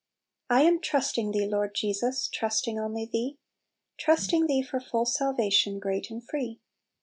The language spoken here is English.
"I am trusting Thee, Lord Jesus, Trusting only Thee; Trusting Thee for full salvation, Great and free.